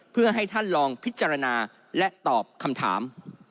เพื่อให้ท่านลองพิจารณาและตอบคำถาม